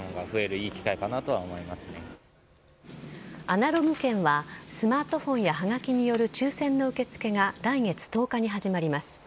アナログ券はスマートフォンやはがきによる抽選の受け付けが来月１０日に始まります。